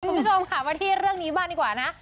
คุณผู้ชมค่ะมาที่เรื่องนี้บ้างดีกว่านะ